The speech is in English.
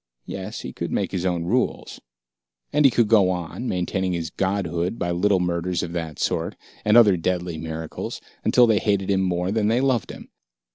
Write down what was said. Yes, he could make his own rules. And he could go on, maintaining his godhood by little murders of that sort, and other deadly miracles, until they hated him more than they loved him.